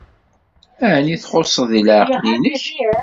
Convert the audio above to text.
Ɛni txuṣṣed deg leɛqel-nnek?